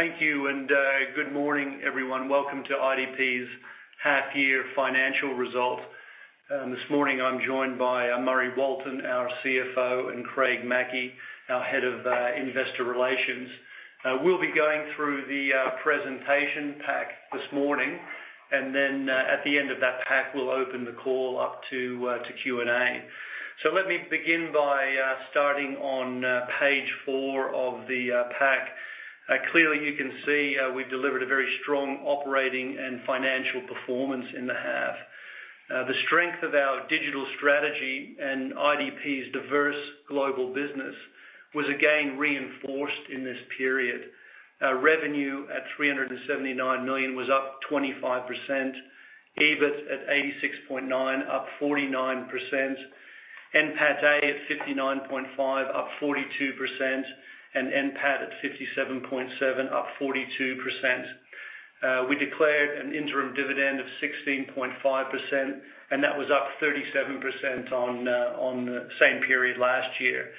Thank you, and good morning, everyone. Welcome to IDP's Half Year Financial Result. This morning, I'm joined by Murray Walton, our CFO, and Craig Mackey, our Head of Investor Relations. We'll be going through the presentation pack this morning, and then at the end of that pack, we'll open the call up to Q and A. Let me begin by starting on page four of the pack. Clearly, you can see we've delivered a very strong operating and financial performance in the half. The strength of our digital strategy and IDP's diverse global business was again reinforced in this period. Revenue at $379 million was up 25%, EBIT at $86.9 million, up 49%, NPATA at $59.5 million, up 42%, and NPAT at $57.7 million, up 42%. We declared an interim dividend of 16.5%, and that was up 37% on the same period last year.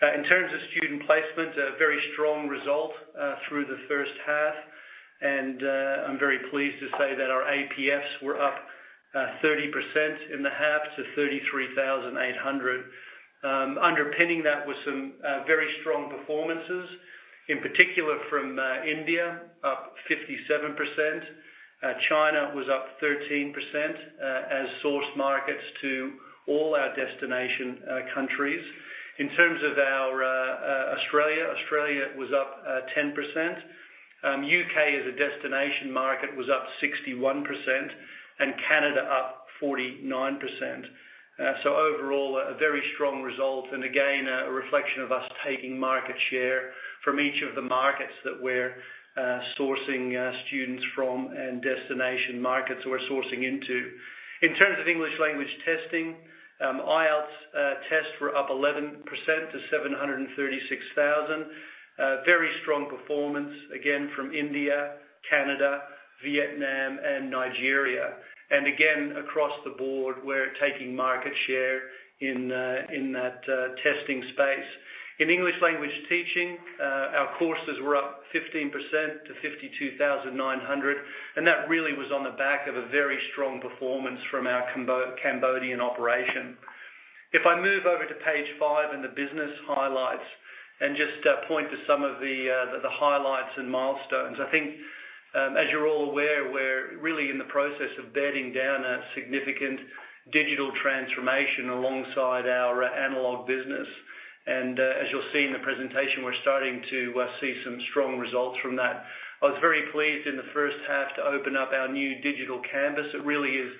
In terms of student placement, a very strong result through the first half, and I'm very pleased to say that our APFs were up 30% in the half to 33,800. Underpinning that was some very strong performances, in particular from India, up 57%. China was up 13% as source markets to all our destination countries. In terms of our Australia was up 10%. U.K., as a destination market, was up 61%, and Canada up 49%. Overall, a very strong result, and again, a reflection of us taking market share from each of the markets that we're sourcing students from and destination markets we're sourcing into. In terms of English language testing, IELTS tests were up 11% to 736,000. Very strong performance again from India, Canada, Vietnam, and Nigeria. Again, across the board, we're taking market share in that testing space. In English language teaching, our courses were up 15% to 52,900, that really was on the back of a very strong performance from our Cambodian operation. If I move over to page five in the business highlights and just point to some of the highlights and milestones, I think, as you're all aware, we're really in the process of bedding down a significant digital transformation alongside our analog business. As you'll see in the presentation, we're starting to see some strong results from that. I was very pleased in the first half to open up our new digital campus. It really is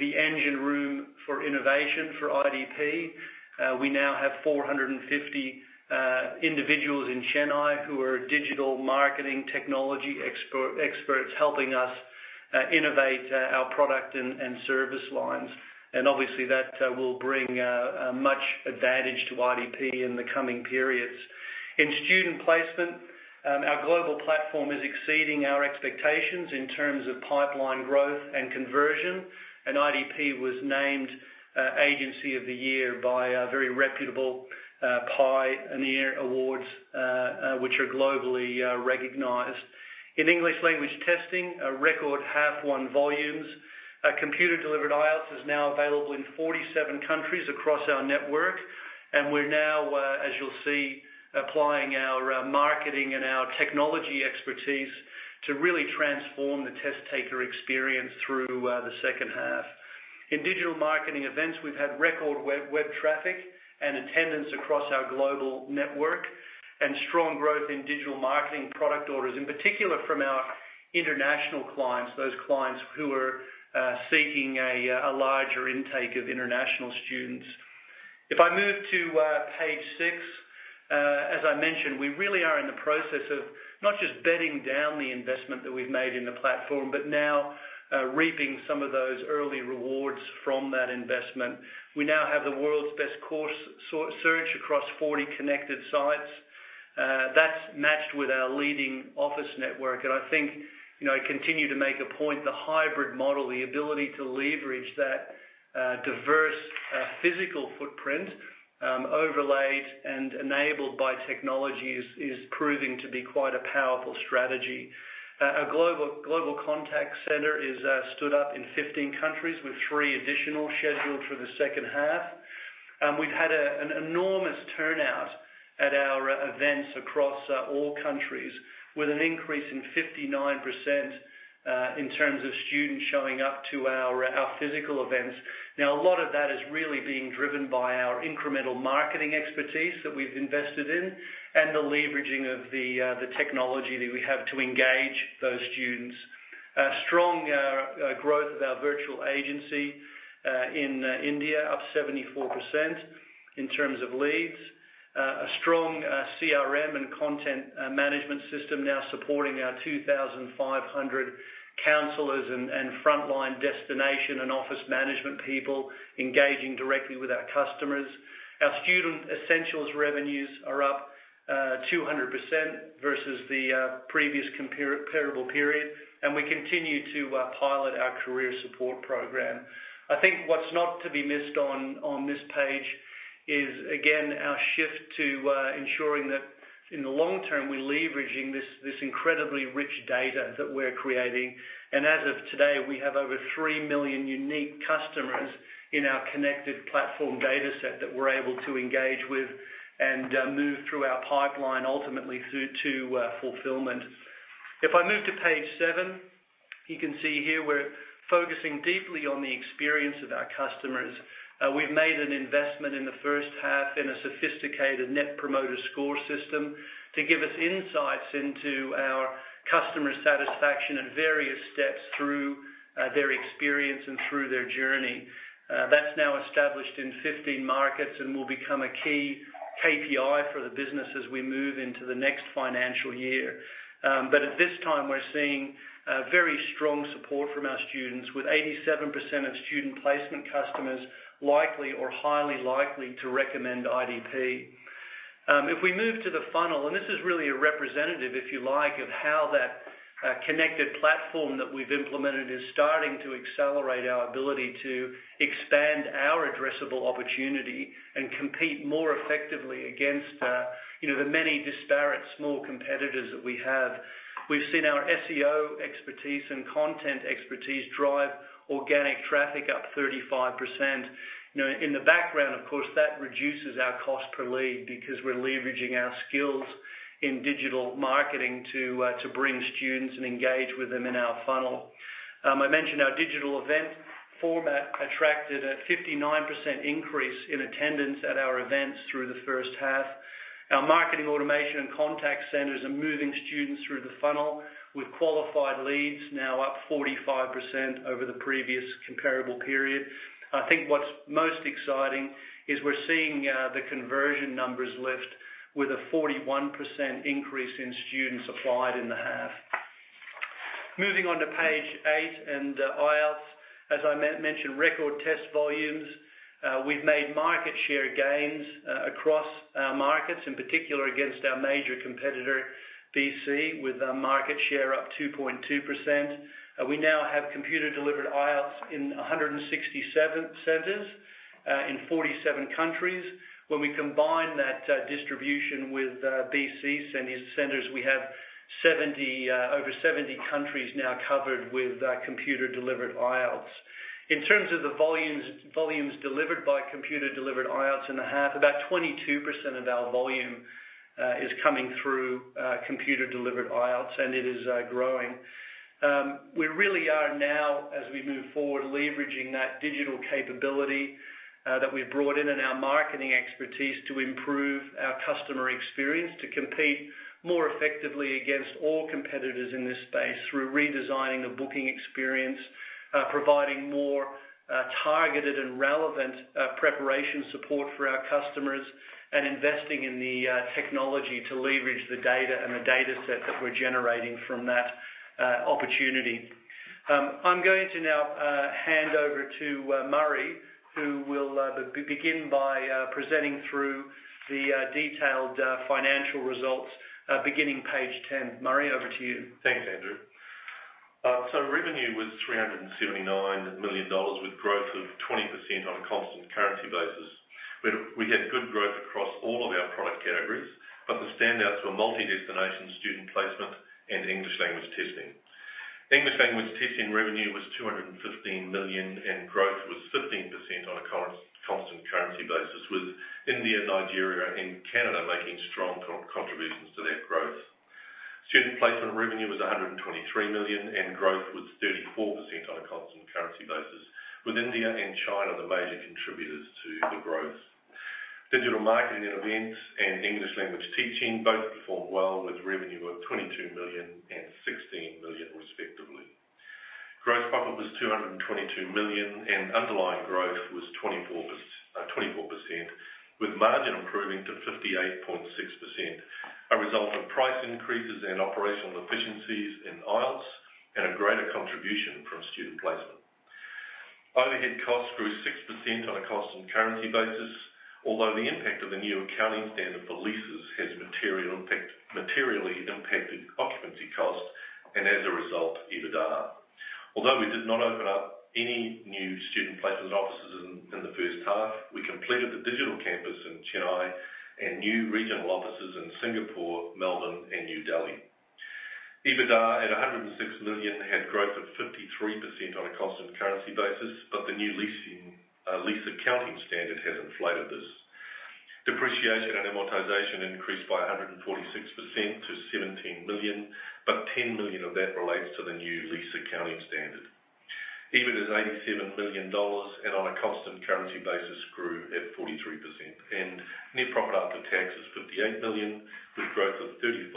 the engine room for innovation for IDP. We now have 450 individuals in Chennai who are digital marketing technology experts helping us innovate our product and service lines. Obviously that will bring much advantage to IDP in the coming periods. In student placement, our global platform is exceeding our expectations in terms of pipeline growth and conversion. IDP was named Agency of the Year by a very reputable, PIEoneer Awards, which are globally recognized. In English language testing, a record half one volumes. Computer-delivered IELTS is now available in 47 countries across our network, and we're now, as you'll see, applying our marketing and our technology expertise to really transform the test taker experience through the second half. In digital marketing events, we've had record web traffic and attendance across our global network and strong growth in digital marketing product orders, in particular from our international clients, those clients who are seeking a larger intake of international students. If I move to page six, as I mentioned, we really are in the process of not just bedding down the investment that we've made in the platform, but now reaping some of those early rewards from that investment. We now have the world's best course search across 40 connected sites. That's matched with our leading office network, and I think, I continue to make a point, the hybrid model, the ability to leverage that diverse physical footprint, overlaid and enabled by technology, is proving to be quite a powerful strategy. A global contact center is stood up in 15 countries with three additional scheduled for the second half. We've had an enormous turnout at our events across all countries with an increase in 59% in terms of students showing up to our physical events. A lot of that is really being driven by our incremental marketing expertise that we've invested in and the leveraging of the technology that we have to engage those students. Strong growth of our virtual agency in India, up 74% in terms of leads. A strong CRM and content management system now supporting our 2,500 counselors and frontline destination and office management people engaging directly with our customers. Our Student Essentials revenues are up 200% versus the previous comparable period, we continue to pilot our career support program. I think what's not to be missed on this page is, again, our shift to ensuring that in the long term, we're leveraging this incredibly rich data that we're creating. As of today, we have over 3 million unique customers in our connected platform data set that we're able to engage with and move through our pipeline, ultimately through to fulfillment. If I move to page seven, you can see here we're focusing deeply on the experience of our customers. We've made an investment in the first half in a sophisticated Net Promoter Score system to give us insights into our customer satisfaction at various steps through their experience and through their journey. That's now established in 15 markets and will become a key KPI for the business as we move into the next financial year. At this time, we're seeing very strong support from our students, with 87% of student placement customers likely or highly likely to recommend IDP. If we move to the funnel, this is really a representative, if you like, of how that connected platform that we've implemented is starting to accelerate our ability to expand our addressable opportunity and compete more effectively against the many disparate small competitors that we have. We've seen our SEO expertise and content expertise drive organic traffic up 35%. In the background, of course, that reduces our cost per lead because we're leveraging our skills in digital marketing to bring students and engage with them in our funnel. I mentioned our digital event format attracted a 59% increase in attendance at our events through the first half. Our marketing automation and contact centers are moving students through the funnel, with qualified leads now up 45% over the previous comparable period. I think what's most exciting is we're seeing the conversion numbers lift with a 41% increase in students applied in the half. Moving on to page eight and IELTS. As I mentioned, record test volumes. We've made market share gains across our markets, in particular against our major competitor, BC, with our market share up 2.2%. We now have computer-delivered IELTS in 167 centers in 47 countries. When we combine that distribution with BC's centers, we have over 70 countries now covered with computer-delivered IELTS. In terms of the volumes delivered by computer-delivered IELTS in the half, about 22% of our volume is coming through computer-delivered IELTS, and it is growing. We really are now, as we move forward, leveraging that digital capability that we've brought in and our marketing expertise to improve our customer experience to compete more effectively against all competitors in this space through redesigning the booking experience, providing more targeted and relevant preparation support for our customers, and investing in the technology to leverage the data and the data set that we're generating from that opportunity. I'm going to now hand over to Murray, who will begin by presenting through the detailed financial results, beginning page 10. Murray, over to you. Thanks, Andrew. Revenue was $379 million, with growth of 20% on a constant currency basis. We had good growth across all of our product categories, but the standouts were multi-destination student placement and English language testing. English language testing revenue was $215 million, and growth was 15% on a constant currency basis, with India, Nigeria, and Canada making strong contributions to that growth. Student placement revenue was $123 million, and growth was 34% on a constant currency basis, with India and China the major contributors to the growth. Digital marketing events and English language teaching both performed well, with revenue of $22 million and $16 million respectively. Gross profit was $222 million, and underlying growth was 24%, with margin improving to 58.6%, a result of price increases and operational efficiencies in IELTS and a greater contribution from student placement. Overhead costs grew 6% on a constant currency basis, although the impact of the new accounting standard for leases has materially impacted occupancy costs and, as a result, EBITDA. Although we did not open up any new student placement offices in the first half, we completed the digital campus in Chennai and new regional offices in Singapore, Melbourne, and New Delhi. EBITDA at $106 million had growth of 53% on a constant currency basis, the new lease accounting standard has inflated this. Depreciation and amortization increased by 146% to $17 million, but $10 million of that relates to the new lease accounting standard. EBIT is $87 million, and on a constant currency basis grew at 43%, and net profit after tax is $58 million, with growth of 35%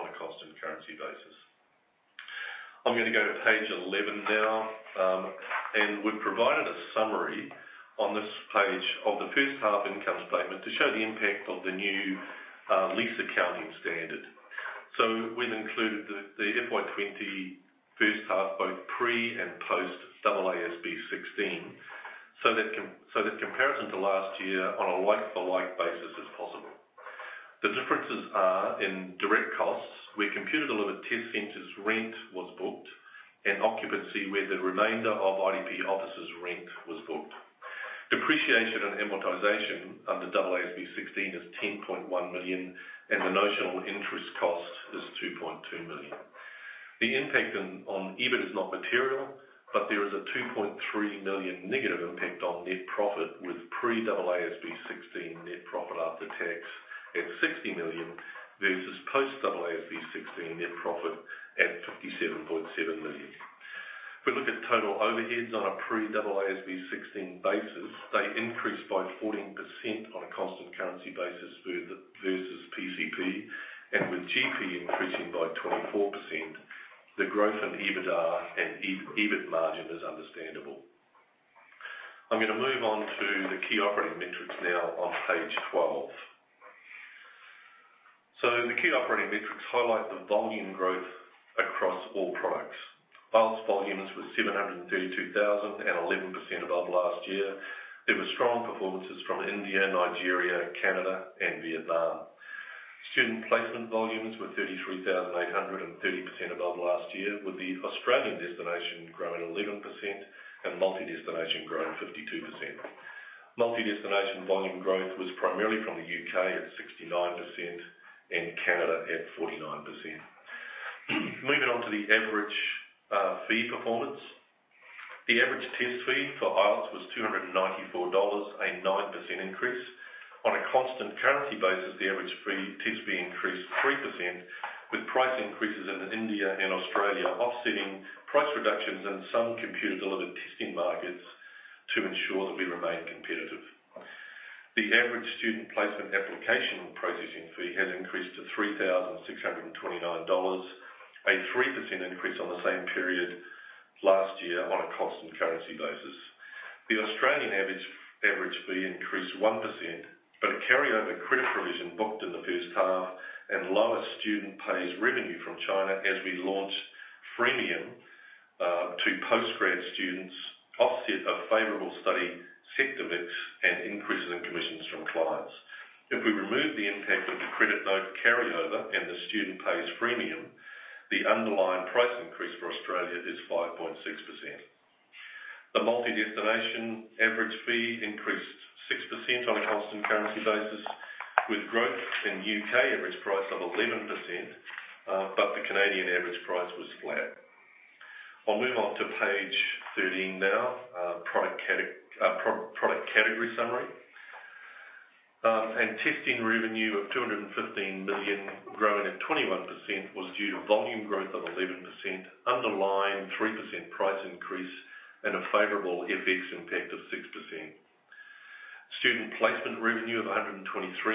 on a constant currency basis. I'm going to go to page 11 now. We've provided a summary on this page of the first half income statement to show the impact of the new lease accounting standard. We've included the data of 2020 first half, both pre and post AASB 16, so that comparison to last year on a like-for-like basis is possible. The differences are in direct costs, where computer-delivered test centers' rent was booked, and occupancy where the remainder of IDP offices' rent was booked. Depreciation and amortization under AASB 16 is $10.1 million, and the notional interest cost is $2.2 million. The impact on EBIT is not material, but there is a $2.3 million negative impact on net profit, with pre-AASB 16 net profit after tax at $60 million versus post-AASB 16 net profit at $57.7 million. If we look at total overheads on a pre-AASB 16 basis, they increased by 14% on a constant currency basis versus PCP. With GP increasing by 24%, the growth in EBITDA and EBIT margin is understandable. I'm going to move on to the key operating metrics now on page 12. The key operating metrics highlight the volume growth across all products. IELTS volumes were 732,000, at 11% above last year. There were strong performances from India, Nigeria, Canada, and Vietnam. Student placement volumes were 33,800 and 30% above last year, with the Australian destination growing 11% and multi-destination growing 52%. Multi-destination volume growth was primarily from the U.K. at 69% and Canada at 49%. Moving on to the average fee performance. The average test fee for IELTS was $294, a 9% increase. On a constant currency basis, the average fee typically increased 3%, with price increases in India and Australia offsetting price reductions in some computer-delivered testing markets to ensure that we remain competitive. The average student placement application processing fee has increased to $3,629, a 3% increase on the same period last year on a constant currency basis. The Australian average fee increased 1%, but a carryover credit provision booked in the first half and lower student pays revenue from China as we launch freemium to postgrad students offset a favorable study sector mix and increases in commissions from clients. If we remove the impact of the credit note carryover and the student pays freemium, the underlying price increase for Australia is 5.6%. The multi-destination average fee increased 6% on a constant currency basis, with growth in U.K. average price of 11%, but the Canadian average price was flat. I'll move on to page 13 now. Product category summary. Testing revenue of$215 million, growing at 21%, was due to volume growth of 11%, underlying 3% price increase, and a favorable FX impact of 6%. Student placement revenue of $123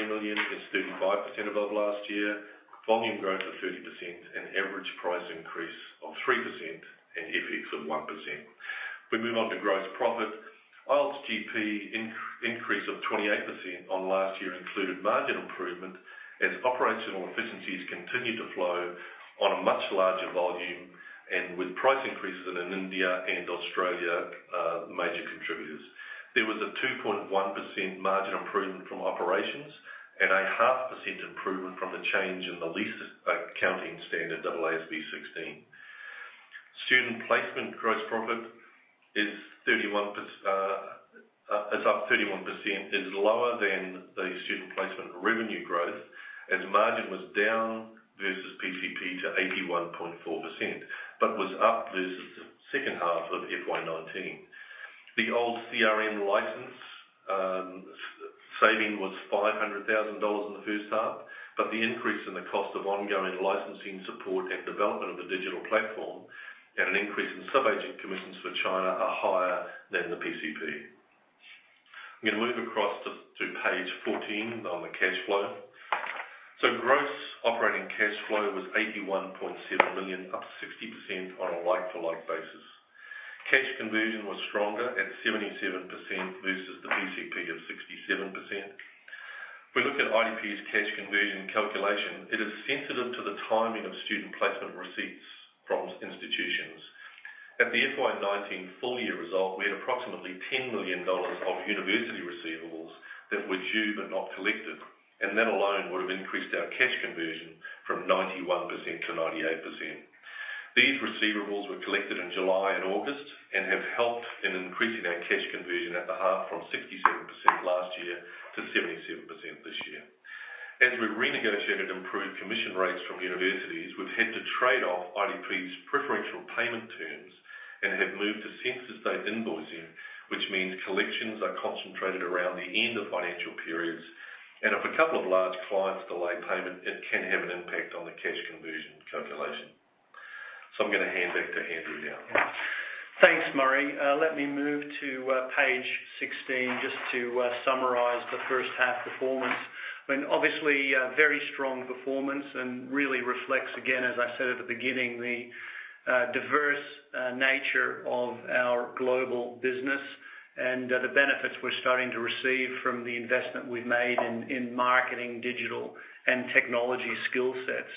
million is 35% above last year. Volume growth of 30% and average price increase of 3% and FX of 1%. If we move on to gross profit, IELTS GP increase of 28% on last year included margin improvement as operational efficiencies continue to flow on a much larger volume and with price increases in India and Australia major contributors. There was a 2.1% margin improvement from operations and a half percent improvement from the change in the lease accounting standard AASB 16. Student placement gross profit is up 31%, is lower than the student placement revenue growth, and margin was down versus PCP to 81.4% but was up versus the second half of FY 2019. The old CRM license saving was $500,000 in the first half, but the increase in the cost of ongoing licensing support and development of the digital platform and an increase in subagent commissions for China are higher than the PCP. I'm going to move across to page 14 on the cash flow. Gross operating cash flow was $81.7 million, up 60% on a like-to-like basis. Cash conversion was stronger at 77% versus the PCP of 67%. If we look at IDP's cash conversion calculation, it is sensitive to the timing of student placement receipts from institutions. At the FY 2019 full-year result, we had approximately $10 million of university receivables that were due but not collected, and that alone would have increased our cash conversion from 91%-98%. These receivables were collected in July and August and have helped in increasing our cash conversion at the half from 67% last year to 77% this year. As we've renegotiated improved commission rates from universities, we've had to trade off IDP's preferential payment terms and have moved to census date invoicing, which means collections are concentrated around the end of financial periods. If a couple of large clients delay payment, it can have an impact on the cash conversion calculation. I'm going to hand back to Andrew now. Thanks, Murray. Let me move to page 16 just to summarize the first half performance. Obviously, a very strong performance and really reflects, again, as I said at the beginning, the diverse nature of our global business and the benefits we're starting to receive from the investment we've made in marketing, digital, and technology skill sets.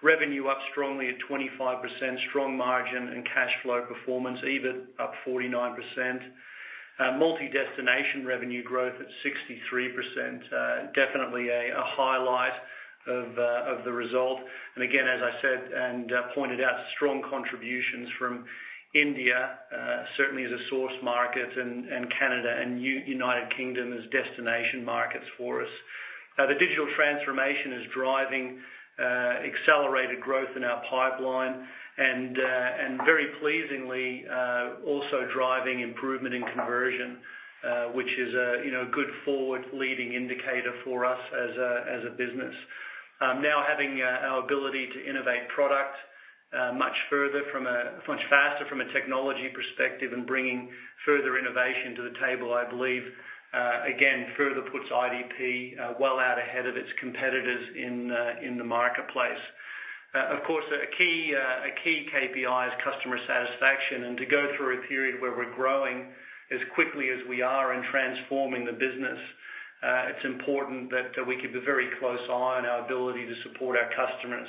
Revenue up strongly at 25%, strong margin and cash flow performance, EBIT up 49%. Multi-destination revenue growth at 63%, definitely a highlight of the result. Again, as I said and pointed out, strong contributions from India, certainly as a source market, and Canada and United Kingdom as destination markets for us. Now, the digital transformation is driving accelerated growth in our pipeline and very pleasingly, also driving improvement in conversion, which is a good forward-leading indicator for us as a business. Having our ability to innovate product much faster from a technology perspective and bringing further innovation to the table, I believe, again, further puts IDP well out ahead of its competitors in the marketplace. A key, KPI is customer satisfaction. To go through a period where we're growing as quickly as we are and transforming the business, it's important that we keep a very close eye on our ability to support our customers.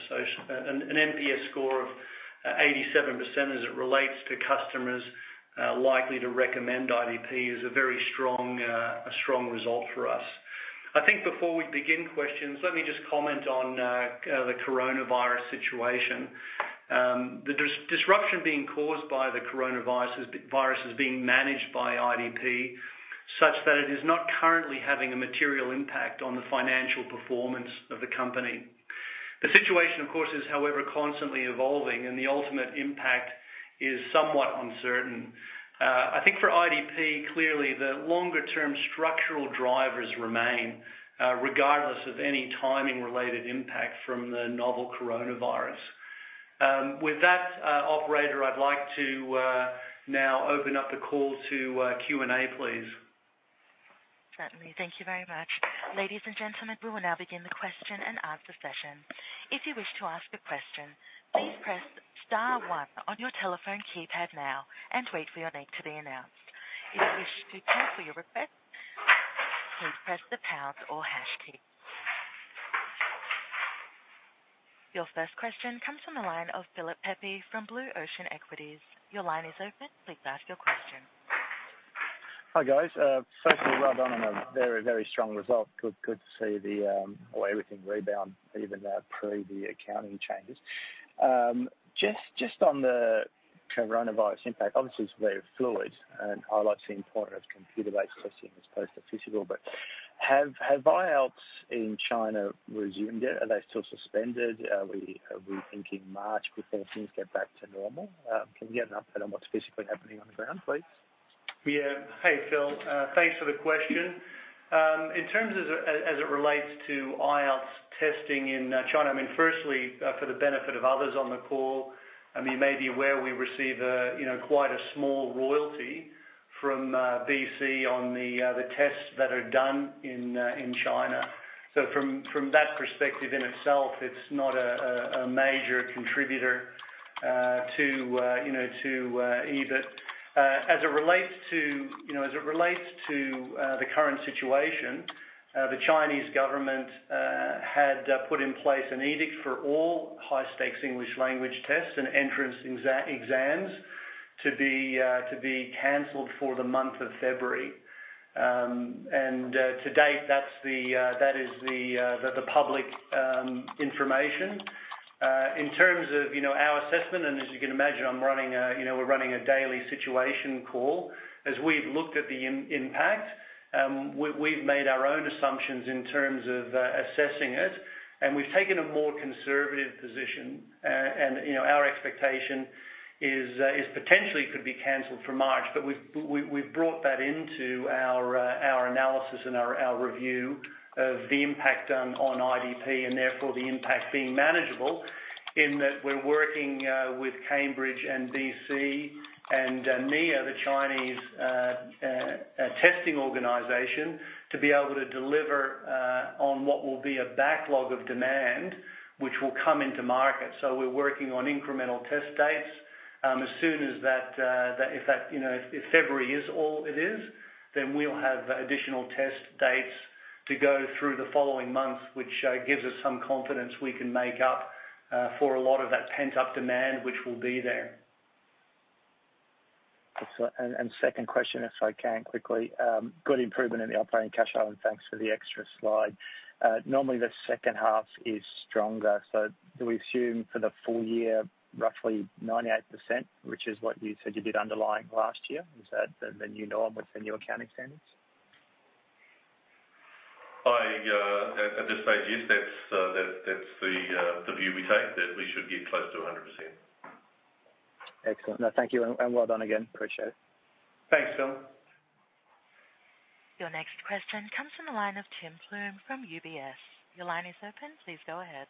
An NPS score of 87% as it relates to customers likely to recommend IDP is a very strong result for us. I think before we begin questions, let me just comment on the coronavirus situation. The disruption being caused by the coronavirus is being managed by IDP such that it is not currently having a material impact on the financial performance of the company. The situation, of course, is however constantly evolving, and the ultimate impact is somewhat uncertain. I think for IDP, clearly the longer term structural drivers remain, regardless of any timing-related impact from the novel coronavirus. With that, operator, I'd like to now open up the call to Q and A, please. Certainly. Thank you very much. Ladies and gentlemen, we will now begin the question and answer session. If you wish to ask a question, please press star one on your telephone keypad now and wait for your name to be announced. If you wish to cancel your request, please press the pound or hash key. Your first question comes from the line of Philip Pepe from Blue Ocean Equities. Your line is open. Please ask your question. Hi, guys. Firstly, well done on a very strong result. Good to see the way everything rebound even pre the accounting changes. Just on the coronavirus impact, obviously it's very fluid and highlights the importance of computer-based testing as opposed to physical, have IELTS in China resumed yet? Are they still suspended? Are we thinking March before things get back to normal? Can we get an update on what's physically happening on the ground, please? Yeah. Hey, Phil. Thanks for the question. In terms as it relates to IELTS testing in China, firstly, for the benefit of others on the call, you may be aware we receive quite a small royalty from BC on the tests that are done in China. From that perspective in itself, it's not a major contributor to EBIT. As it relates to the current situation, the Chinese government had put in place an edict for all high-stakes English language tests and entrance exams to be canceled for the month of February. To date, that is the public information. In terms of our assessment, as you can imagine, we're running a daily situation call. As we've looked at the impact, we've made our own assumptions in terms of assessing it, and we've taken a more conservative position. Our expectation is potentially it could be canceled for March, but we've brought that into our analysis and our review of the impact on IDP and therefore the impact being manageable in that we're working with Cambridge and BC and NEEA, the Chinese testing organization, to be able to deliver on what will be a backlog of demand, which will come into market. We're working on incremental test dates. If February is all it is, we'll have additional test dates to go through the following month, which gives us some confidence we can make up for a lot of that pent-up demand which will be there. Second question, if I can quickly. Good improvement in the operating cash conversion. Thanks for the extra slide. Normally, the second half is stronger. Do we assume for the full year, roughly 98%, which is what you said you did underlying last year? Is that the new norm with the new accounting standards? At this stage, yes. That's the view we take, that we should get close to 100%. Excellent. No, thank you, and well done again. Appreciate it. Thanks, Phil. Your next question comes from the line of Tim Plumbe from UBS. Your line is open. Please go ahead.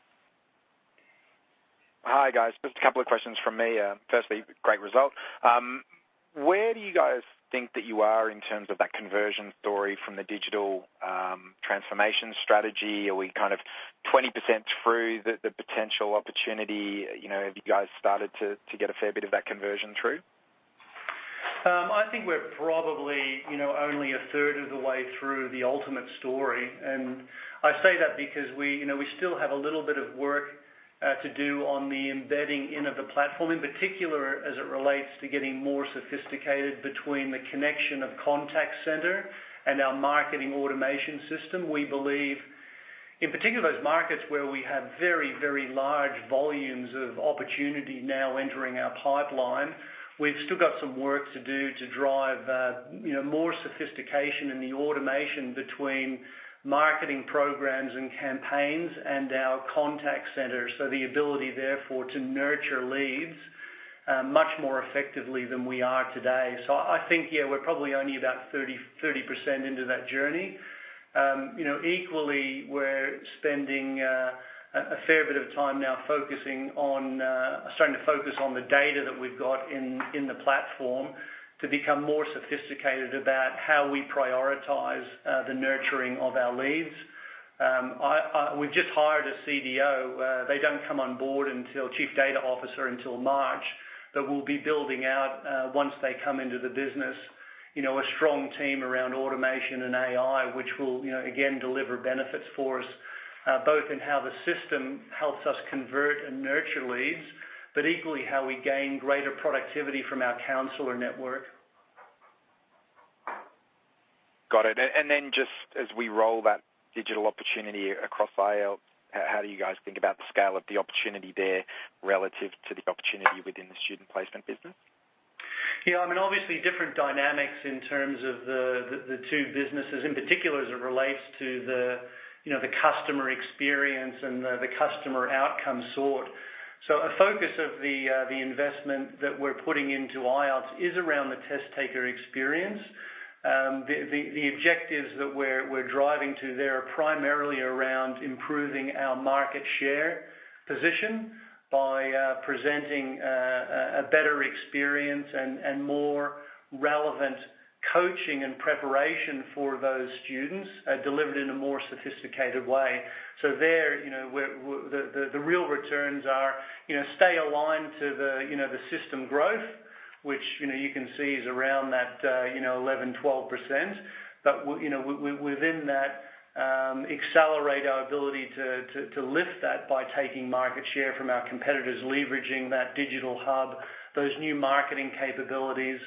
Hi, guys. Just a couple of questions from me. Firstly, great result. Where do you guys think that you are in terms of that conversion story from the digital transformation strategy? Are we kind of 20% through the potential opportunity? Have you guys started to get a fair bit of that conversion through? I think we're probably only a third of the way through the ultimate story. I say that because we still have a little bit of work to do on the embedding in of the platform, in particular, as it relates to getting more sophisticated between the connection of contact center and our marketing automation system. We believe, in particular, those markets where we have very, very large volumes of opportunity now entering our pipeline, we've still got some work to do to drive more sophistication in the automation between marketing programs and campaigns and our contact center. The ability, therefore, to nurture leads much more effectively than we are today. I think, yeah, we're probably only about 30% into that journey. Equally, we're spending a fair bit of time now starting to focus on the data that we've got in the platform to become more sophisticated about how we prioritize the nurturing of our leads. We've just hired a CDO. They don't come on board, Chief Data Officer, until March, but we'll be building out, once they come into the business, a strong team around automation and AI, which will, again, deliver benefits for us, both in how the system helps us convert and nurture leads, but equally how we gain greater productivity from our counselor network. Got it. Just as we roll that digital opportunity across IELTS, how do you guys think about the scale of the opportunity there relative to the opportunity within the student placement business? Yeah. Obviously different dynamics in terms of the two businesses, in particular as it relates to the customer experience and the customer outcome sought. A focus of the investment that we're putting into IELTS is around the test taker experience. The objectives that we're driving to there are primarily around improving our market share position by presenting a better experience and more relevant coaching and preparation for those students, delivered in a more sophisticated way. There, the real returns are stay aligned to the system growth, which you can see is around that 11%, 12%. Within that, accelerate our ability to lift that by taking market share from our competitors, leveraging that digital hub, those new marketing capabilities,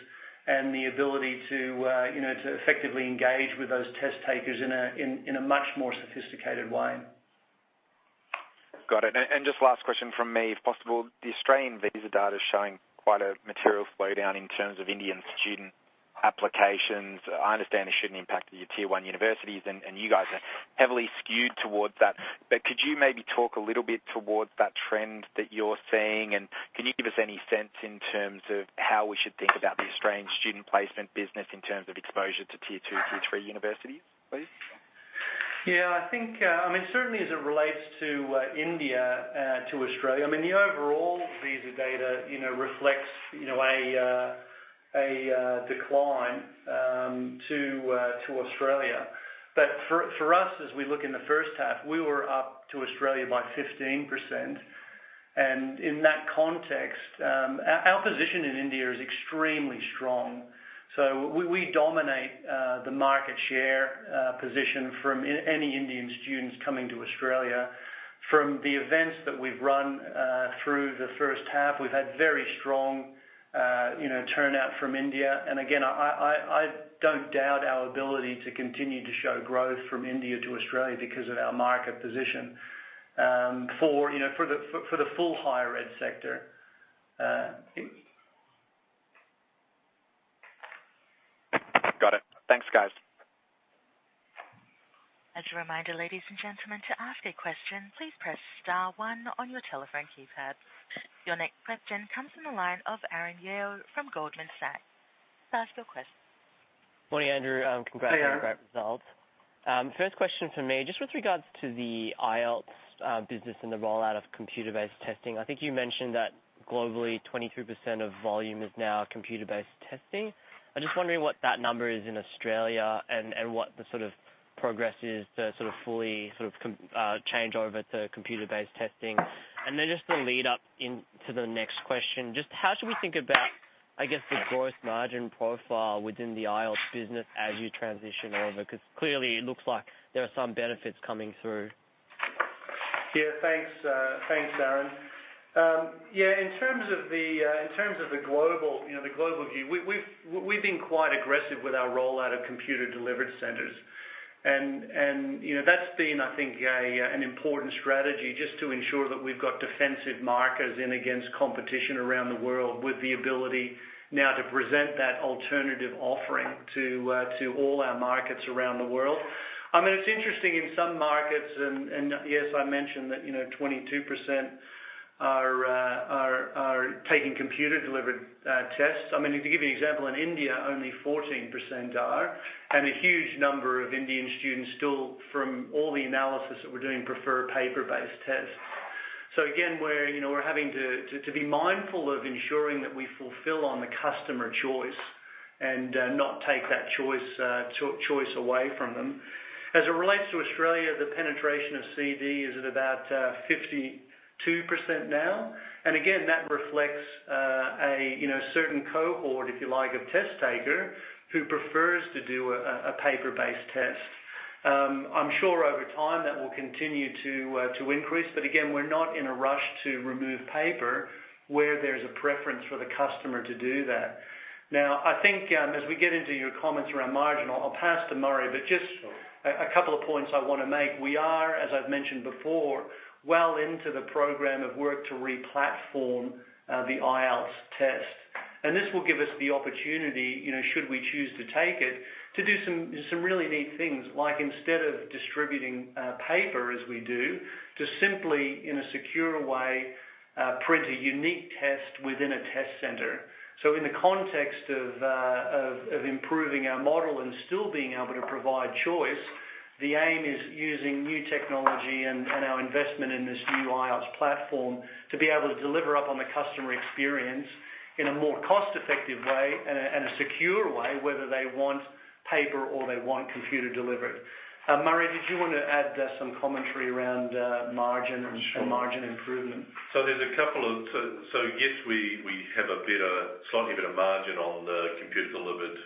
and the ability to effectively engage with those test takers in a much more sophisticated way. Got it. Just last question from me, if possible. The strained visa data is showing quite a material slowdown in terms of Indian student applications. I understand this shouldn't impact your T1 universities, and you guys are heavily skewed towards that, but could you maybe talk a little bit towards that trend that you're seeing, and can you give us any sense in terms of how we should think about the Australian student placement business in terms of exposure to T2, T3 universities, please? I think, certainly as it relates to India to Australia, the overall visa data reflects a decline to Australia. For us, as we look in the first half, we were up to Australia by 15%. In that context, our position in India is extremely strong. We dominate the market share position from any Indian students coming to Australia. From the events that we've run through the first half, we've had very strong turnout from India. Again, I don't doubt our ability to continue to show growth from India to Australia because of our market position for the full higher ed sector. Got it. Thanks, guys. As a reminder, ladies and gentlemen, to ask a question, please press star one on your telephone keypad. Your next question comes from the line of Aaron Yale from Goldman Sachs. To ask your question. Morning, Andrew. Hey, Aaron. Congratulations on the great results. First question from me, just with regards to the IELTS business and the rollout of computer-based testing. I think you mentioned that globally, 23% of volume is now computer-based testing. I'm just wondering what that number is in Australia and what the sort of progress is to sort of fully change over to computer-based testing. Then just to lead up into the next question, just how should we think about, I guess, the gross margin profile within the IELTS business as you transition over? Clearly it looks like there are some benefits coming through. Yeah. Thanks, Aaron. In terms of the global view, we've been quite aggressive with our rollout of computer-delivered centers. That's been, I think, an important strategy just to ensure that we've got defensive markers in against competition around the world with the ability now to present that alternative offering to all our markets around the world. It's interesting, in some markets, and yes, I mentioned that 22% are taking computer-delivered tests. To give you an example, in India, only 14% are, and a huge number of Indian students still, from all the analysis that we're doing, prefer a paper-based test. Again, we're having to be mindful of ensuring that we fulfill on the customer choice and not take that choice away from them. As it relates to Australia, the penetration of CD is at about 52% now. Again, that reflects a certain cohort, if you like, of test taker who prefers to do a paper-based test. I'm sure over time that will continue to increase. Again, we're not in a rush to remove paper where there's a preference for the customer to do that. I think as we get into your comments around margin, I'll pass to Murray, but just a couple of points I want to make. We are, as I've mentioned before, well into the program of work to re-platform the IELTS test. This will give us the opportunity, should we choose to take it, to do some really neat things, like instead of distributing paper as we do, to simply, in a secure way, print a unique test within a test center. In the context of improving our model and still being able to provide choice, the aim is using new technology and our investment in this new IELTS platform to be able to deliver up on the customer experience in a more cost-effective way and a secure way, whether they want paper or they want computer delivery. Murray, did you want to add some commentary around margin- Sure margin improvement? Yes, we have a slightly better margin on the computer-delivered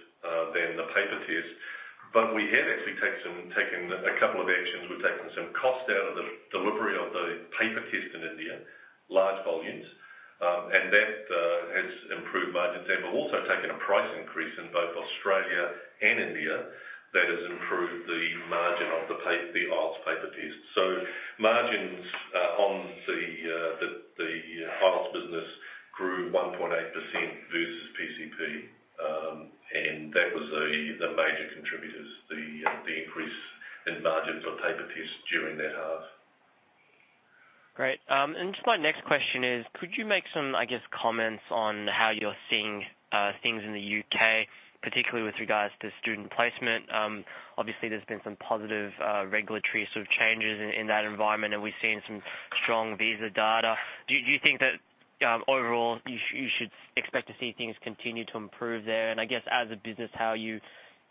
than the paper test, but we have actually taken a couple of actions. We've taken some cost out of the delivery of the paper test in India, large volumes, and that has improved margins there. Also taken a price increase in both Australia and India that has improved the margin of the IELTS paper test. Margins on the IELTS business grew 1.8% versus PCP, and that was the major contributors, the increase in margins on paper tests during that half. Great. Just my next question is, could you make some, I guess, comments on how you're seeing things in the U.K., particularly with regards to student placement? Obviously, there's been some positive regulatory sort of changes in that environment, and we've seen some strong visa data. Do you think that overall, you should expect to see things continue to improve there? I guess as a business, how are you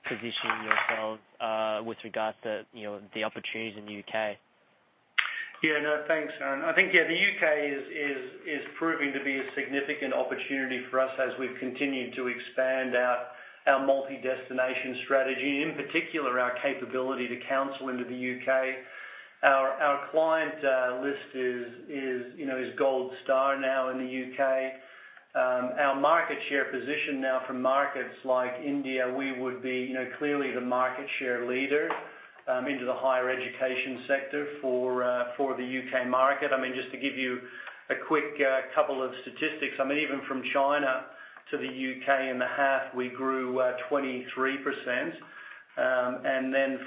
positioning yourselves with regards to the opportunities in the U.K.? Yeah. No, thanks. I think, yeah, the U.K. is proving to be a significant opportunity for us as we've continued to expand our multi-destination strategy, and in particular, our capability to counsel into the U.K. Our client list is Gold Star now in the U.K. Our market share position now from markets like India, we would be clearly the market share leader into the higher education sector for the U.K. market. Just to give you a quick couple of statistics, even from China to the U.K. in the half, we grew 23%.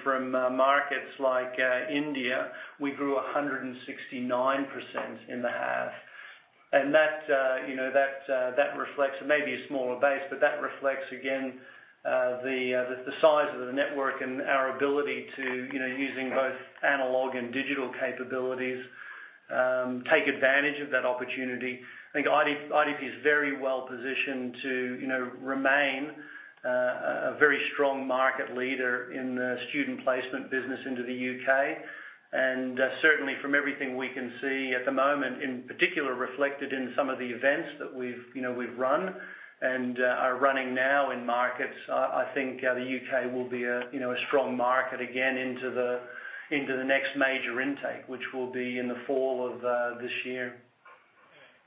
From markets like India, we grew 169% in the half. It may be a smaller base, but that reflects again, the size of the network and our ability to, using both analog and digital capabilities, take advantage of that opportunity. I think IDP is very well-positioned to remain a very strong market leader in the student placement business into the U.K. Certainly, from everything we can see at the moment, in particular, reflected in some of the events that we've run and are running now in markets, I think the U.K. will be a strong market again into the next major intake, which will be in the fall of this year.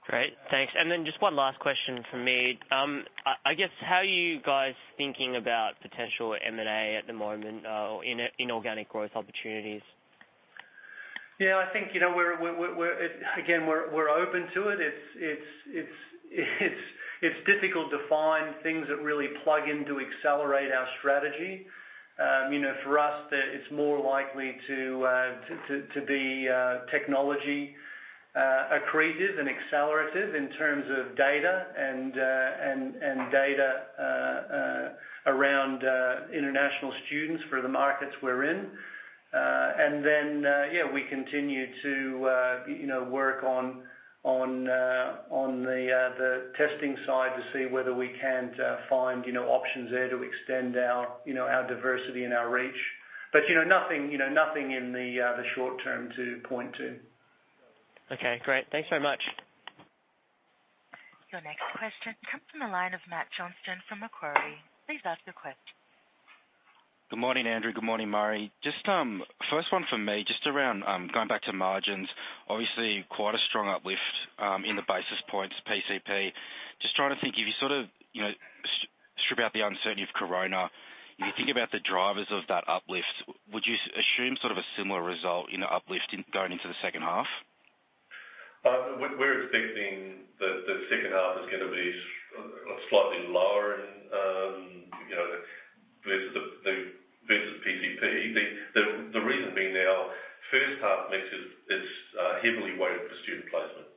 Great, thanks. Then just one last question from me. I guess, how are you guys thinking about potential M&A at the moment or inorganic growth opportunities? Yeah, I think, again, we're open to it. It's difficult to find things that really plug in to accelerate our strategy. For us, it's more likely to be technology accretive and accelerative in terms of data and data around international students for the markets we're in. Then, we continue to work on the testing side to see whether we can find options there to extend our diversity and our reach. Nothing in the short term to point to. Okay, great. Thanks very much. Your next question comes from the line of Matt Johnston from Macquarie. Please ask your question. Good morning, Andrew. Good morning, Murray. First one from me, just around, going back to margins. Obviously, quite a strong uplift in the basis points, PCP. Just trying to think, if you sort of strip out the uncertainty of corona, if you think about the drivers of that uplift, would you assume sort of a similar result in the uplift going into the second half? We're expecting the second half is going to be slightly lower versus PCP. The reason being now, our first half mix is heavily weighted for student placement.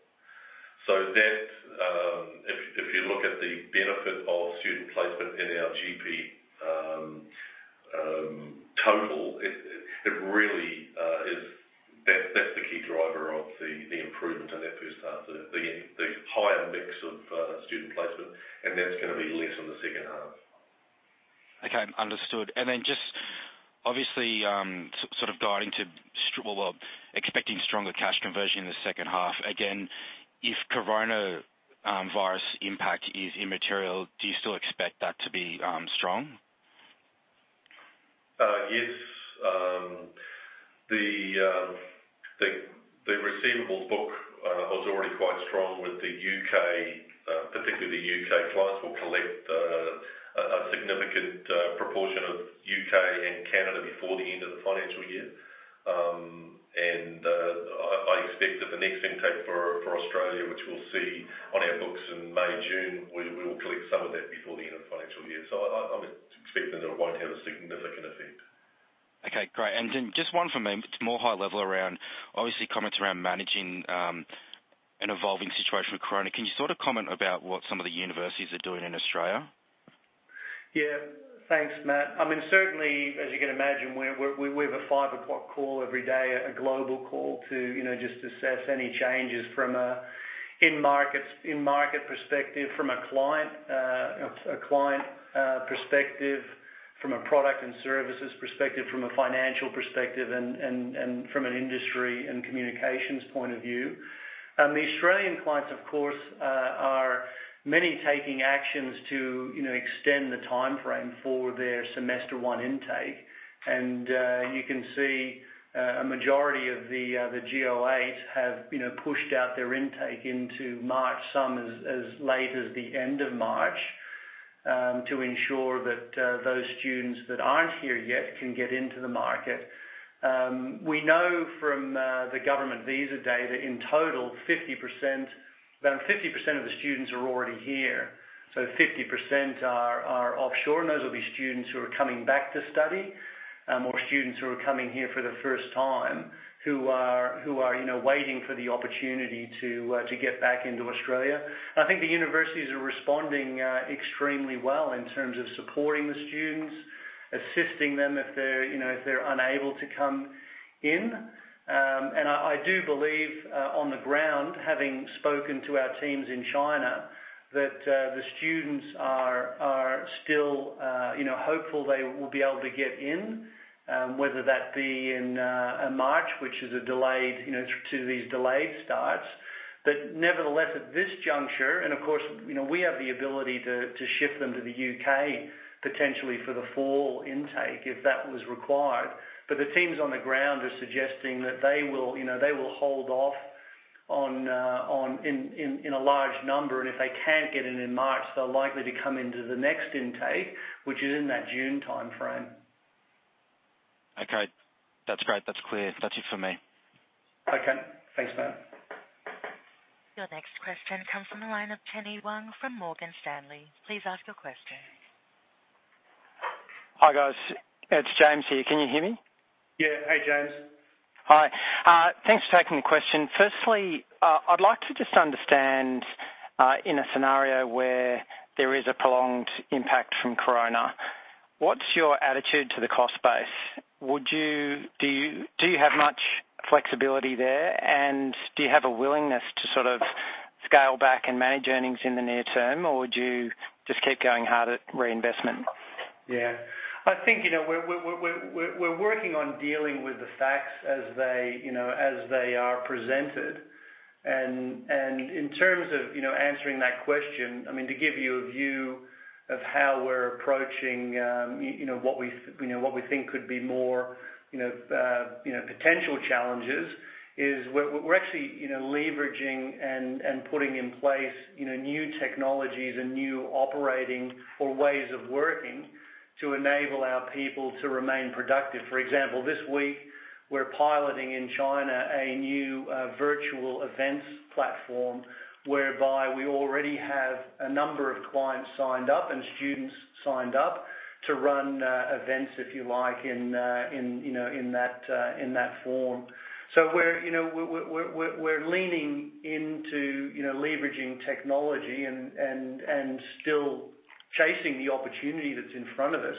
If you look at the benefit of student placement in our GP total, the improvement in that first half. The higher mix of student placement, and that's going to be less in the second half. Okay, understood. Just obviously, expecting stronger cash conversion in the second half. Again, if coronavirus impact is immaterial, do you still expect that to be strong? Yes. The receivables book was already quite strong with the U.K. Particularly the U.K. clients will collect a significant proportion of U.K. and Canada before the end of the financial year. I expect that the next intake for Australia, which we'll see on our books in May, June, we will collect some of that before the end of the financial year. I'm expecting that it won't have a significant effect. Okay, great. Just one from me. It's more high level around obviously comments around managing an evolving situation with coronavirus. Can you sort of comment about what some of the universities are doing in Australia? Yeah. Thanks, Matt. Certainly, as you can imagine, we have a 5:00 call every day, a global call to just assess any changes from in-market perspective, from a client perspective, from a product and services perspective, from a financial perspective, and from an industry and communications point of view. The Australian clients, of course, are many taking actions to extend the timeframe for their semester one intake. You can see a majority of the Go8 have pushed out their intake into March, some as late as the end of March, to ensure that those students that aren't here yet can get into the market. We know from the government visa data, in total, about 50% of the students are already here. 50% are offshore, and those will be students who are coming back to study or students who are coming here for the first time who are waiting for the opportunity to get back into Australia. I think the universities are responding extremely well in terms of supporting the students, assisting them if they're unable to come in. I do believe, on the ground, having spoken to our teams in China, that the students are still hopeful they will be able to get in, whether that be in March, which is to these delayed starts. Nevertheless, at this juncture, and of course, we have the ability to shift them to the U.K., potentially for the fall intake, if that was required. The teams on the ground are suggesting that they will hold off in a large number, and if they can't get in in March, they're likely to come into the next intake, which is in that June timeframe. Okay. That's great. That's clear. That's it for me. Okay. Thanks, Matt. Your next question comes from the line of Tianyi Wang from Morgan Stanley. Please ask your question. Hi, guys. It's James here. Can you hear me? Yeah. Hey, James. Hi. Thanks for taking the question. Firstly, I'd like to just understand, in a scenario where there is a prolonged impact from coronavirus, what's your attitude to the cost base? Do you have much flexibility there, and do you have a willingness to sort of scale back and manage earnings in the near term, or would you just keep going hard at reinvestment? Yeah. I think we're working on dealing with the facts as they are presented. In terms of answering that question, to give you a view of how we're approaching what we think could be more potential challenges is we're actually leveraging and putting in place new technologies and new operating or ways of working to enable our people to remain productive. For example, this week, we're piloting in China a new virtual events platform whereby we already have a number of clients signed up and students signed up to run events, if you like, in that form. We're leaning into leveraging technology and still chasing the opportunity that's in front of us.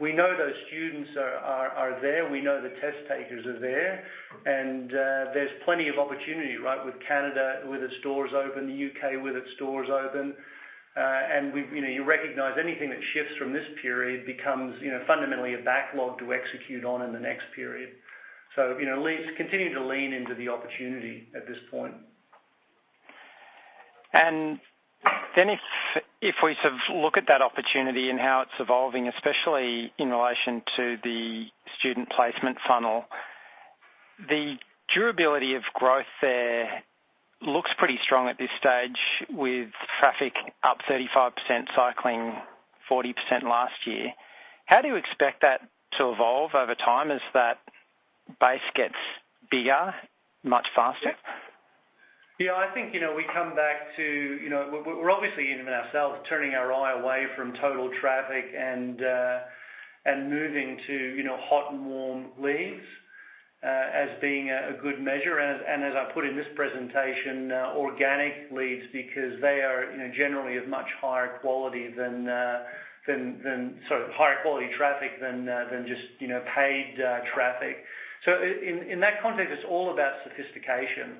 We know those students are there. We know the test takers are there. There's plenty of opportunity with Canada, with its doors open, the U.K. with its doors open. You recognize anything that shifts from this period becomes fundamentally a backlog to execute on in the next period. Continue to lean into the opportunity at this point. If we sort of look at that opportunity and how it's evolving, especially in relation to the student placement funnel, the durability of growth there looks pretty strong at this stage with traffic up 35%, cycling 40% last year. How do you expect that to evolve over time as that base gets bigger much faster? Yeah, I think, we're obviously even ourselves turning our eye away from total traffic and moving to hot and warm leads as being a good measure. As I put in this presentation, organic leads because they are generally of much higher quality traffic than just paid traffic. In that context, it's all about sophistication.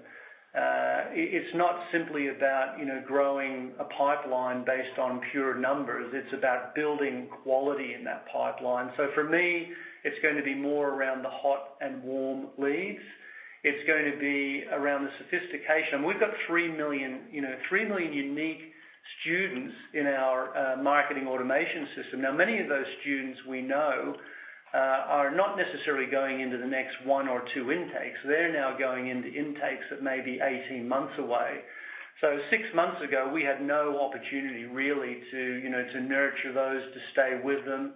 It's not simply about growing a pipeline based on pure numbers. It's about building quality in that pipeline. For me, it's going to be more around the hot and warm leads. It's going to be around the sophistication. We've got 3 million unique students in our marketing automation system. Now, many of those students we know are not necessarily going into the next one or two intakes. They're now going into intakes that may be 18 months away. Six months ago, we had no opportunity really to nurture those, to stay with them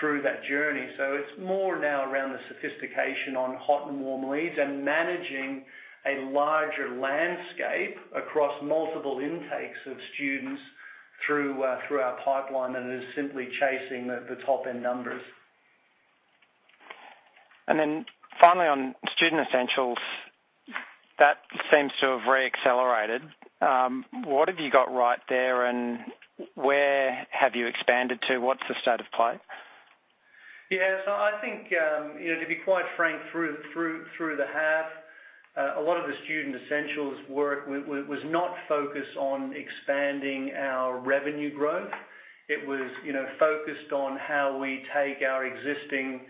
through that journey. It's more now around the sophistication on hot and warm leads and managing a larger landscape across multiple intakes of students through our pipeline than it is simply chasing the top-end numbers. Finally on Student Essentials, that seems to have re-accelerated. What have you got right there and where have you expanded to? What's the state of play? Yeah. I think, to be quite frank, through the half, a lot of the Student Essentials work was not focused on expanding our revenue growth. It was focused on how we take our existing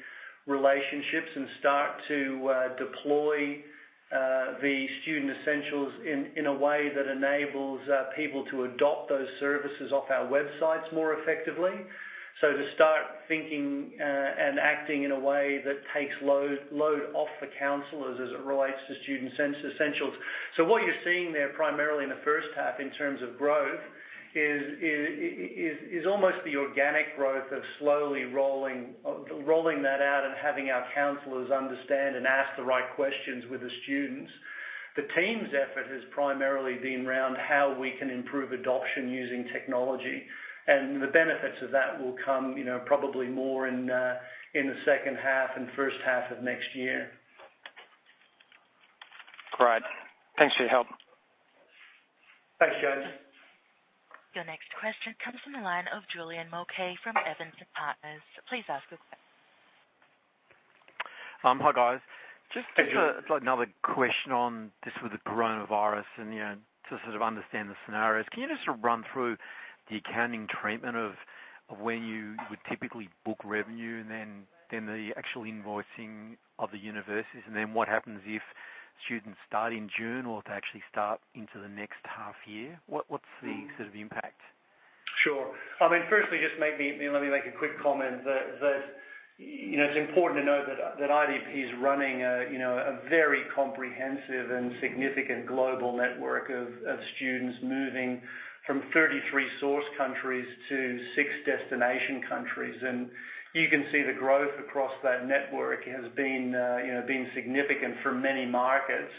relationships and start to deploy the Student Essentials in a way that enables people to adopt those services off our websites more effectively. To start thinking and acting in a way that takes load off the counselors as it relates to Student Essentials. What you're seeing there, primarily in the first half in terms of growth, is almost the organic growth of slowly rolling that out and having our counselors understand and ask the right questions with the students. The team's effort has primarily been around how we can improve adoption using technology, and the benefits of that will come probably more in the second half and first half of next year. Great. Thanks for your help. Thanks, guys. Your next question comes from the line of Julian Mulcahy from Evans and Partners. Please ask your question. Hi, guys. Hi, Julian. Just another question on this with the coronavirus and to sort of understand the scenarios. Can you just run through the accounting treatment of when you would typically book revenue and then the actual invoicing of the universities, and then what happens if students start in June or if they actually start into the next half year? What's the sort of impact? Sure. Firstly, just let me make a quick comment that it's important to know that IDP is running a very comprehensive and significant global network of students moving from 33 source countries to six destination countries. You can see the growth across that network has been significant for many markets,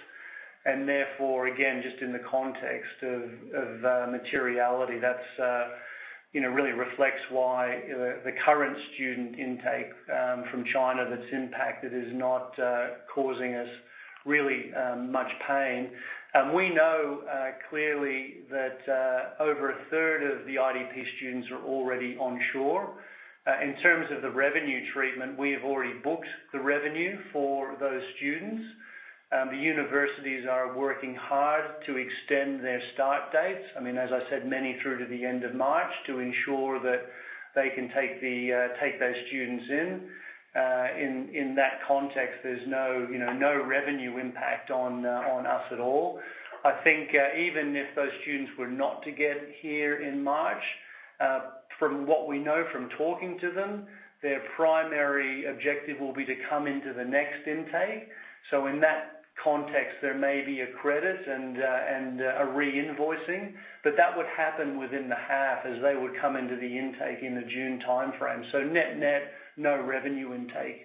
and therefore, again, just in the context of materiality, that really reflects why the current student intake from China that's impacted is not causing us really much pain. We know clearly that over a third of the IDP students are already onshore. In terms of the revenue treatment, we have already booked the revenue for those students. The universities are working hard to extend their start dates. As I said, many through to the end of March to ensure that they can take those students in. In that context, there's no revenue impact on us at all. I think even if those students were not to get here in March, from what we know from talking to them, their primary objective will be to come into the next intake. In that context, there may be a credit and a re-invoicing, but that would happen within the half as they would come into the intake in the June timeframe. Net-net, no revenue impact.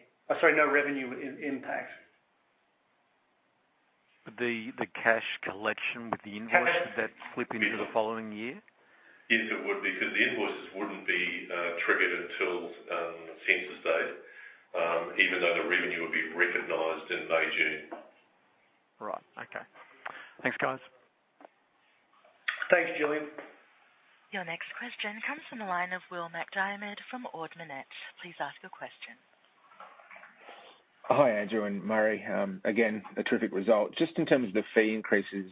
The cash collection with the invoice, did that slip into the following year? Yes, it would because the invoices wouldn't be triggered until census date, even though the revenue would be recognized in May, June. Right. Okay. Thanks, guys. Thanks, Julian. Your next question comes from the line of William MacDiarmid from Ord Minnett. Please ask your question. Hi, Andrew and Murray. Again, a terrific result. Just in terms of the fee increases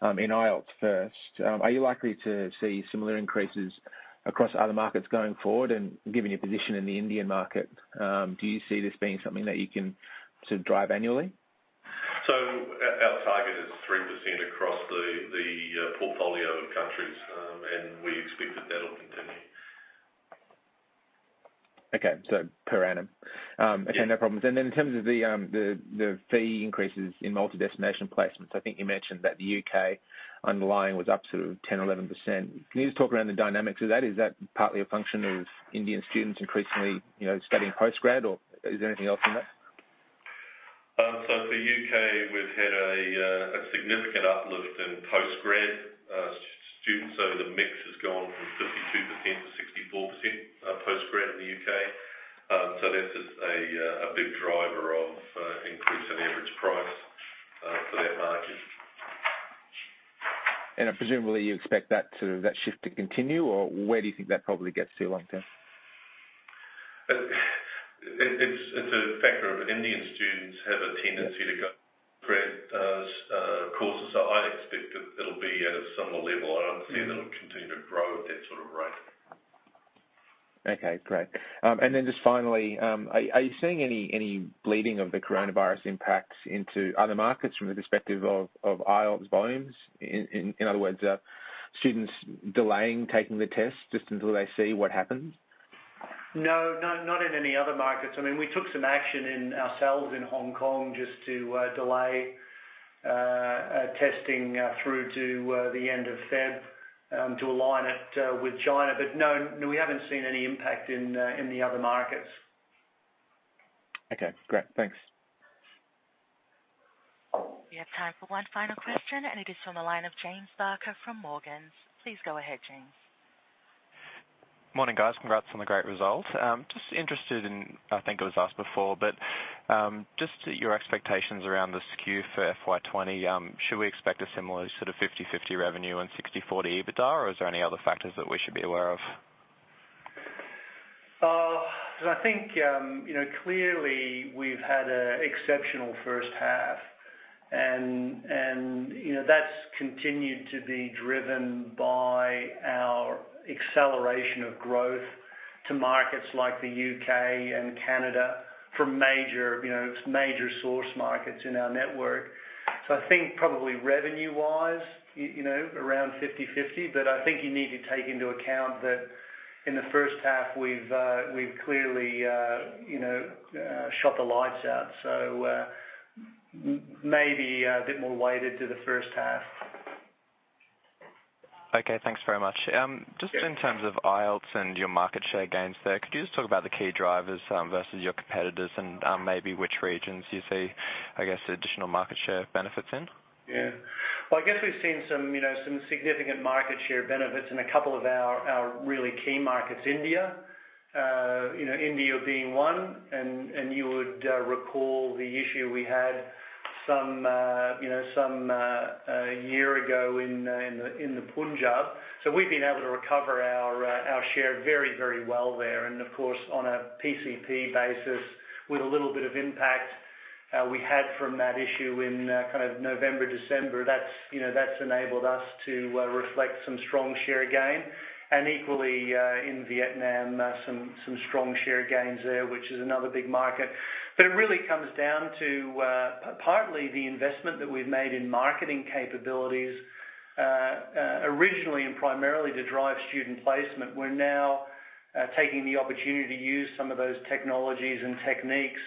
in IELTS first, are you likely to see similar increases across other markets going forward? Given your position in the Indian market, do you see this being something that you can sort of drive annually? Our target is 3% across the portfolio of countries, and we expect that that'll continue. Okay, per annum? Yeah. Okay, no problems. In terms of the fee increases in multi-destination placements, I think you mentioned that the U.K. underlying was up sort of 10% or 11%. Can you just talk around the dynamics of that? Is that partly a function of Indian students increasingly studying post-grad, or is there anything else in that? For U.K., we've had a significant uplift in post-grad students. The mix has gone from 52%-64% post-grad in the U.K. That's a big driver of increase in average price for that market. Presumably you expect that shift to continue, or where do you think that probably gets to long term? It's a factor of Indian students have a tendency to go for courses, so I expect that it'll be at a similar level. I don't see that it'll continue to grow at that sort of rate. Okay, great. Just finally, are you seeing any bleeding of the coronavirus impacts into other markets from the perspective of IELTS volumes? In other words, students delaying taking the test just until they see what happens? No, not in any other markets. We took some action ourselves in Hong Kong just to delay testing through to the end of February to align it with China. No, we haven't seen any impact in the other markets. Okay, great. Thanks. We have time for one final question, and it is from the line of James Barker from Morgans. Please go ahead, James. Morning, guys. Congrats on the great results. Just interested in, I think it was asked before, but just your expectations around the skew for FY 2020. Should we expect a similar sort of 50/50 revenue and 60/40 EBITDA, or is there any other factors that we should be aware of? I think, clearly, we've had an exceptional first half. That's continued to be driven by our acceleration of growth to markets like the U.K. and Canada from major source markets in our network. I think probably revenue-wise, around 50/50. I think you need to take into account that in the first half we've clearly shut the lights out. Maybe a bit more weighted to the first half. Okay, thanks very much. Just in terms of IELTS and your market share gains there, could you just talk about the key drivers versus your competitors and maybe which regions you see, I guess, additional market share benefits in? Yeah. Well, I guess we've seen some significant market share benefits in a couple of our really key markets. India being one, and you would recall the issue we had some year ago in the Punjab. We've been able to recover our share very well there, and of course, on a PCP basis, with a little bit of impact we had from that issue in November, December, that's enabled us to reflect some strong share gain. Equally, in Vietnam, some strong share gains there, which is another big market. It really comes down to partly the investment that we've made in marketing capabilities. Originally and primarily to drive student placement. We're now taking the opportunity to use some of those technologies and techniques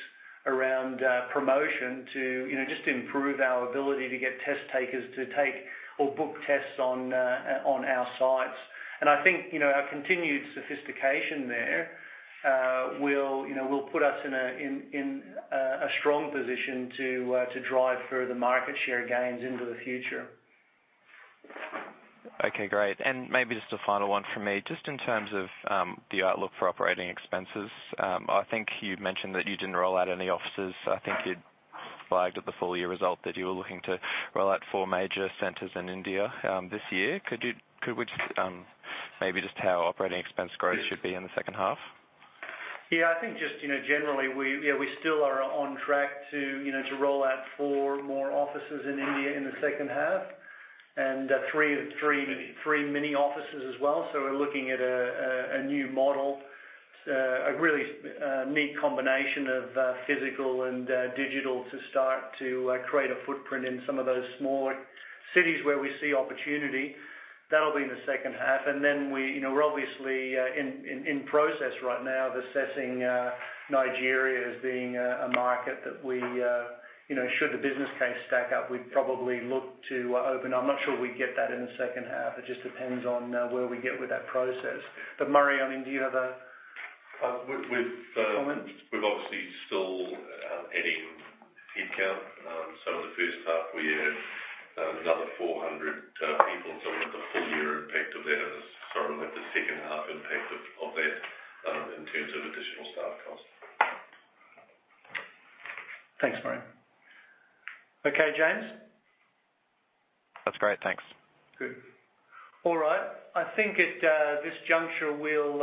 around promotion to just improve our ability to get test takers to take or book tests on our sites. I think, our continued sophistication there will put us in a strong position to drive further market share gains into the future. Okay, great. Maybe just a final one from me. Just in terms of the outlook for operating expenses. I think you'd mentioned that you didn't roll out any offices. I think you'd flagged at the full year result that you were looking to roll out four major centers in India this year. Maybe just how operating expense growth should be in the second half? Yeah, I think just generally, we still are on track to roll out four more offices in India in the second half, and three. Mini three mini offices as well. We're looking at a new model, a really neat combination of physical and digital to start to create a footprint in some of those smaller cities where we see opportunity. That'll be in the second half. We're obviously in process right now of assessing Nigeria as being a market that we, should the business case stack up, we'd probably look to open. I'm not sure we'd get that in the second half. It just depends on where we get with that process. Murray, do you have a- We've- Comment? We've obviously still adding headcount. In the first half we added another 400 people, and so we'll have the full year impact of that, and we're starting with the second half impact of that in terms of additional staff cost. Thanks, Murray. Okay, James? That's great. Thanks. Good. All right. I think at this juncture, we'll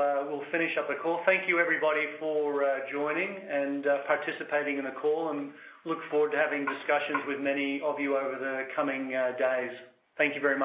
finish up the call. Thank you everybody for joining and participating in the call, and look forward to having discussions with many of you over the coming days. Thank you very much.